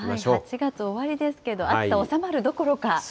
８月終わりですけど、暑さ収まるどころか。